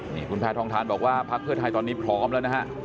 นี่คุณแพทองทานบอกว่าพักเพื่อไทยตอนนี้พร้อมแล้วนะฮะ